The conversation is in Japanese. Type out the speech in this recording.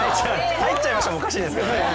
入っちゃいました、もおかしいですけどね。